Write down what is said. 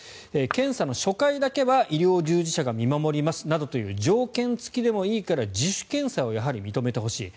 検査の初回だけは医療従事者が見守りますなどという条件付きでもいいから自主検査をやはり認めてほしい。